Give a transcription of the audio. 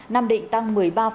nam định tăng một mươi ba bốn